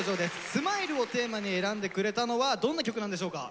「ＳＭＩＬＥ」をテーマに選んでくれたのはどんな曲なんでしょうか？